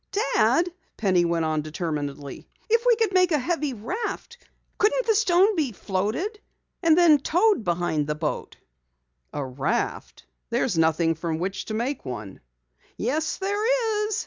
"Dad," Penny went on determinedly, "if we could make a heavy raft, couldn't the stone be floated? It might be towed behind the boat." "A raft? There's nothing from which to make one." "Yes, there is!"